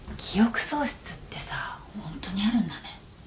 記憶喪失ってさほんとにあるんだね。